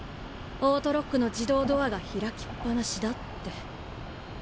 オートロックの自動ドアが開きっ放しだって。